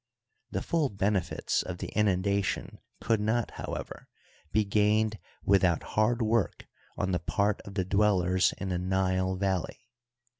The full benefits of the inundation could not, however, be gained without hard work on the part of the dwellers in the Nile valley.